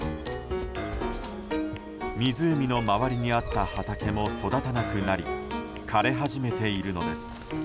湖の周りにあった畑も育たなくなり枯れ始めているのです。